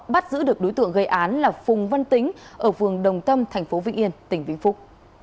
bắt giữ được đối tượng gây án là phùng văn tính ở vườn đồng tâm tp vĩnh yên tỉnh vĩnh phúc